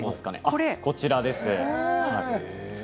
こちらです。